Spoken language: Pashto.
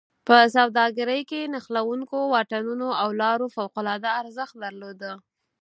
په سوداګرۍ کې نښلوونکو واټونو او لارو فوق العاده ارزښت درلوده.